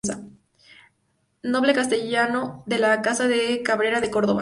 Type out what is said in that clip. Noble castellano de la Casa de Cabrera de Córdoba.